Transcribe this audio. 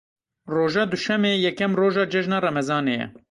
Roja duşemê yekem roja Cejna Remezanê ye.